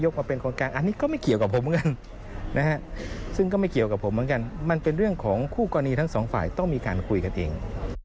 คู่กรณีทั้งสองฝ่ายต้องมีการคุยกันเอง